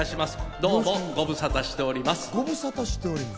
どうも御無沙汰しております。